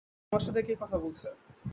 তোমার সাথে কে কথা বলছে?